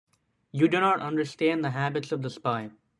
You do not understand the habits of the spy.